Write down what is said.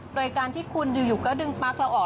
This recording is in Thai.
โดยการที่คุณอยู่ก็ดึงปั๊กเราออก